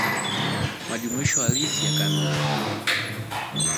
Majumuisho Halisi ya Kanuni